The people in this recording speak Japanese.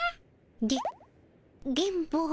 で電ボ。